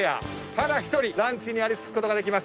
ただ一人ランチにありつくことができます。